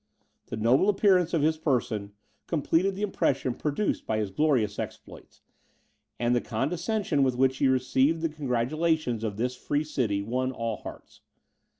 The noble appearance of his person, completed the impression produced by his glorious exploits, and the condescension with which he received the congratulations of this free city won all hearts.